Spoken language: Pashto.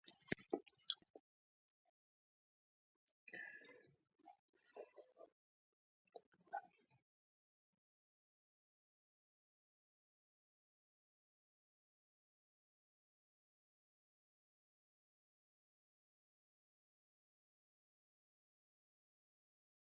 میراثي معلومات د حجره له هسته څخه انتقال کیږي.